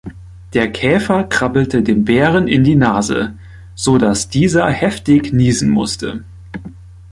Der Käfer krabbelte dem Bären in die Nase, so dass dieser heftig niesen musste.